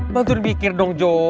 bantuin mikir dong joe